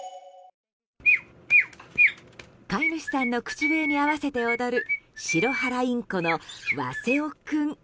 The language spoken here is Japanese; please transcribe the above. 飼い主さんの口笛に合わせて踊るシロハラインコの、わせぉ君。